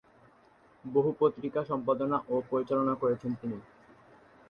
বহু পত্রিকা সম্পাদনা ও পরিচালনা করেছেন তিনি।